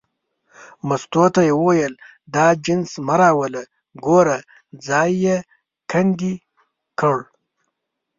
مستو ته یې وویل دا نجس مه راوله، ګوره ځای یې کندې کړ.